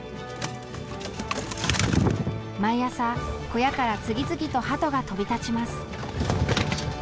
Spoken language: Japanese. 毎朝、小屋から次々とハトが飛び立ちます。